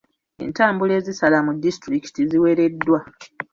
Entambula ezisala mu disitulikiti ziwereddwa.